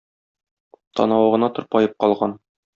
Танавы гына тырпаеп калган.